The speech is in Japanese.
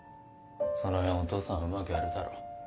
そのへんお父さんはうまくやるだろ。